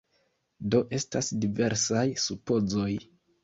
Do estas diversaj supozoj.